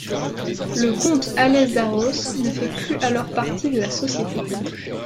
Le comte Hallez d’Arros ne fait plus alors partie de la société.